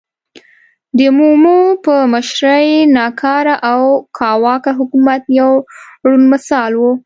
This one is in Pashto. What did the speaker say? د مومو په مشرۍ ناکاره او کاواکه حکومت یو روڼ مثال و.